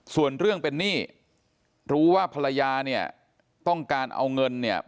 ส่วนเรื่องเป็นหนี้รู้ว่าภรรยาเนี่ยต้องการเอาเงินเนี่ย